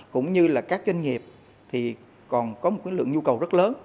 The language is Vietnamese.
cũng như là các doanh nghiệp thì còn có một lượng nhu cầu rất lớn